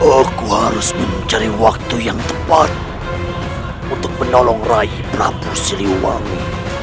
aku harus mencari waktu yang tepat untuk menolong raih prapu siliwangi